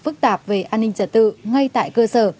phức tạp về an ninh trật tự ngay tại cơ sở